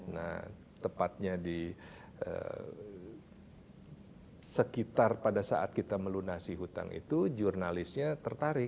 nah tepatnya di sekitar pada saat kita melunasi hutang itu jurnalisnya tertarik